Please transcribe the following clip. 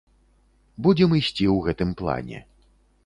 Будзем ісці ў гэтым плане.